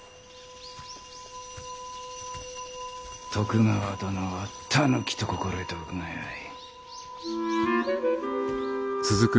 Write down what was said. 徳川殿は狸と心得ておくがよい。